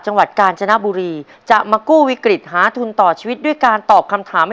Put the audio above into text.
จังหวัดกาญจนบุรีจะมากู้วิกฤตหาทุนต่อชีวิตด้วยการตอบคำถามให้